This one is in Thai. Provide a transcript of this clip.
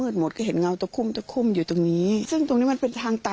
ตอนนั้นคือ